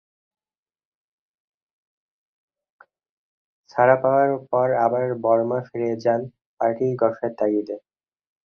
ছাড়া পাওয়ার পর আবার বর্মা ফিরে যান পার্টি গঠনের তাগিদে।